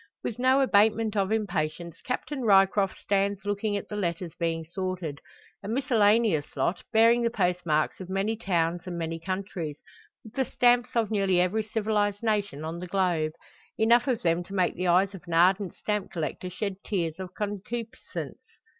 With no abatement of impatience Captain Ryecroft stands looking at the letters being sorted a miscellaneous lot, bearing the post marks of many towns and many countries, with the stamps of nearly every civilised nation on the globe; enough of them to make the eyes of an ardent stamp collector shed tears of concupiscence.